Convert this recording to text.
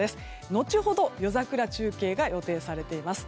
後ほど、夜桜中継が予定されています。